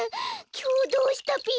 きょうどうしたぴよ？